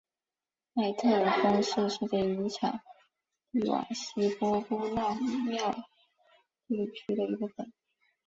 麦特尔峰是世界遗产蒂瓦希波乌纳穆地区的一部分。